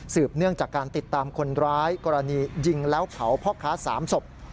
เนื่องจากการติดตามคนร้ายกรณียิงแล้วเผาพ่อค้า๓ศพ